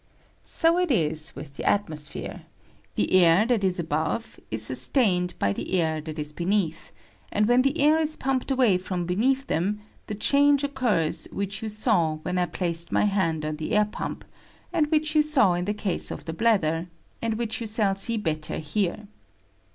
So it is with the atmosphere ; the air WEIGHT OF THE ATMOSPHERE. 135 I that is above is sustained by the air that is be neath, and when the air is pumped away from beneath them, the change occurs which you saw when I placed my hand on the air pump, and which you saw in the case of the bladder, and which you shall see better here.